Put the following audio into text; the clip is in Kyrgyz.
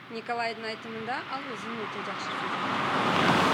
Николайдын айтымында, ал өзүн өтө жакшы сезет.